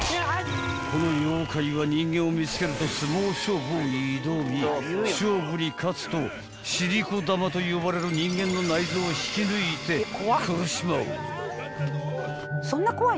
［この妖怪は人間を見つけると相撲勝負を挑み勝負に勝つと尻子玉と呼ばれる人間の内臓を引き抜いて殺してしまう］